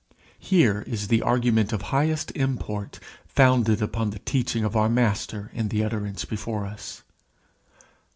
Here is the argument of highest import founded upon the teaching of our master in the utterance before us.